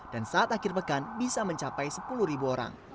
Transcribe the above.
dan saat akhir pekan bisa mencapai sepuluh orang